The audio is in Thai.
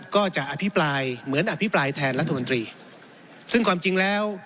ก็จะอภิปรายเหมือนอภิปรายแทนรัฐมนตรีซึ่งความจริงแล้ว